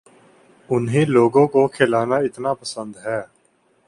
انھیں لوگوں کو کھلانا اتنا پسند ہے